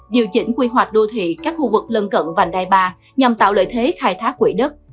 điều chỉnh quy hoạch đô thị các khu vực lân cận vành đai ba nhằm tạo lợi thế khai thác quỹ đất